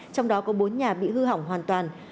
trong đó có bốn nhà bị hư hỏng hoàn toàn